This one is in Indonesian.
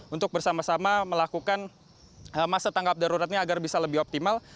untuk bersama sama melakukan masa tanggap daruratnya agar bisa lebih optimal